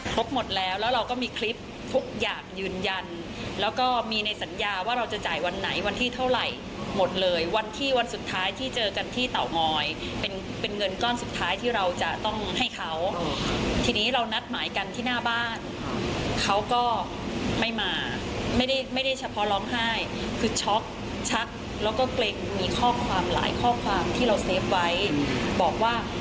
ครบหมดแล้วแล้วเราก็มีคลิปทุกอย่างยืนยันแล้วก็มีในสัญญาว่าเราจะจ่ายวันไหนวันที่เท่าไหร่หมดเลยวันที่วันสุดท้ายที่เจอกันที่เตางอยเป็นเป็นเงินก้อนสุดท้ายที่เราจะต้องให้เขาทีนี้เรานัดหมายกันที่หน้าบ้านเขาก็ไม่มาไม่ได้ไม่ได้เฉพาะร้องไห้คือช็อกชักแล้วก็เกร็งมีข้อความหลายข้อความที่เราเฟฟไว้บอกว่า